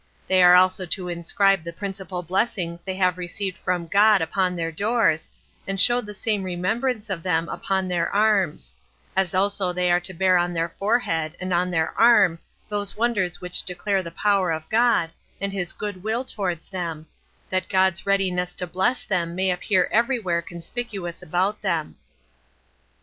They are also to inscribe the principal blessings they have received from God upon their doors, and show the same remembrance of them upon their arms; as also they are to bear on their forehead and their arm those wonders which declare the power of God, and his good will towards them, that God's readiness to bless them may appear every where conspicuous about them.